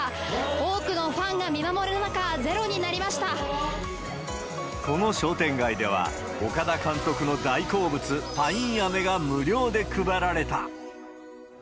多くのファンが見守る中、この商店街では、岡田監督の大好物、パインアメが無料で配られた。